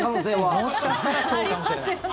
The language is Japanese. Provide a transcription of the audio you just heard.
もしかしたらそうかもしれない。